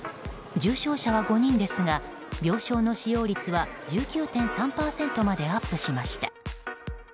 重症者は５人ですが病床の使用率は１９．３％までアップしました。